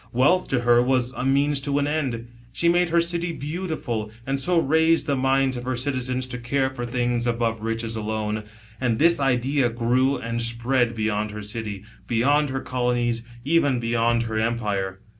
Wealth to her was a means to an end ; she made her city beautiful, and so raised the minds of her citizens to care for things above riches alone. And this idea grew and spread beyond her city, beyond her colonies, even beyond her empire.